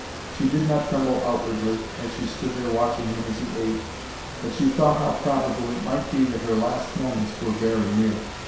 She did not tremble outwardly, as she stood there watching him as he ate, but she thought how probable it might be that her last moments were very near.